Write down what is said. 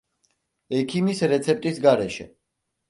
ექიმის რეცეპტის გარეშე!